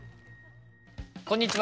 こんにちは。